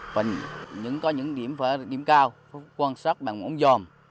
và những có những điểm cao quan sát bằng ống dòm